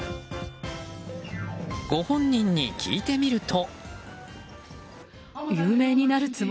ご本人に聞いてみると。